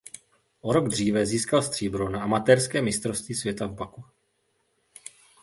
O rok dříve získal stříbro na amatérském mistrovství světa v Baku.